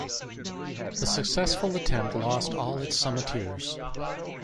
The successful attempt lost all its summitteers.